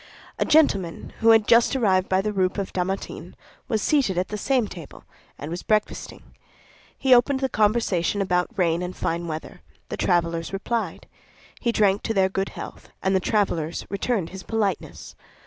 A gentleman, who had just arrived by the route of Dammartin, was seated at the same table, and was breakfasting. He opened the conversation about rain and fine weather; the travelers replied. He drank to their good health, and the travelers returned his politeness.